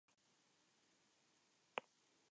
Siendo enterrada en el Cementerio de La Almudena.